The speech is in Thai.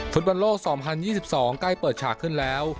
ฟุตบอลโลก๒๐๒๒ใกล้เปิดฉากขึ้นแล้ว